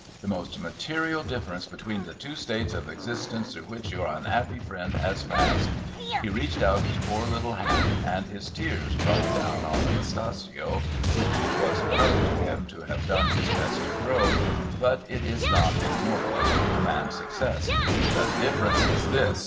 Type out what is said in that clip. The most material difference between the two states of existence through which your unappy friend has passed ;' he reached out his poor Utile hand, and his tears dropped down on the moustachio which it was a credit to him to have done his best to grow, but it is not in mortals to command success, —' the difference is this.